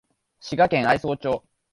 滋賀県愛荘町